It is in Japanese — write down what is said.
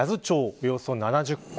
およそ７０戸